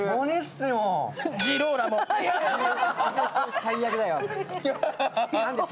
最悪だよ。